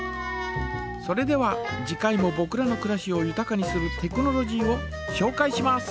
それでは次回もぼくらのくらしをゆたかにするテクノロジーをしょうかいします。